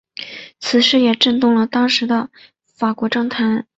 此事也震动了当时的法国政坛。